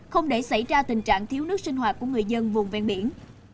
không để xảy ra tình trạng thiếu nước sinh hoạt của người dân vùng ven biển